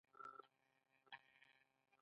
هغوی د خپل واک سیوری اوږده ساته.